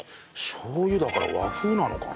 しょう油だから和風なのかね？